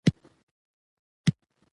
رسول الله صلی الله عليه وسلم فرمایلي دي: